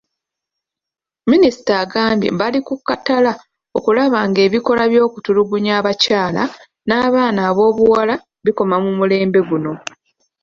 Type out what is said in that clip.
Minisita agambye bali kukkatala okulaba ng'ebikolwa by'okutulugunya abakyala n'abaana b'obuwala bikoma ku mulembe guno.